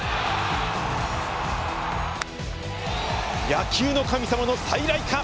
野球の神様の再来か！